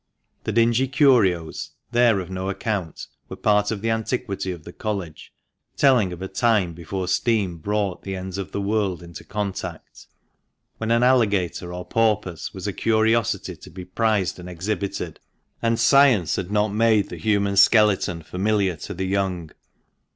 The dingy curios, there of no account, were part of the antiquity of the College, telling of a time before steam brought the ends of the world into contact, when an alligator or a porpoise was a curiosity to be prized and exhibited, and science had not made the human skeleton familiar to the young.